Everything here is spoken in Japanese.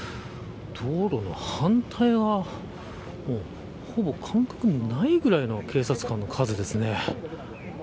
道路の反対側はほぼ間隔がないぐらいの警察官の数ですね。